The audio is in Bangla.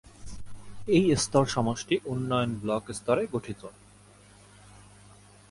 এই স্তর সমষ্টি উন্নয়ন ব্লক স্তরে গঠিত।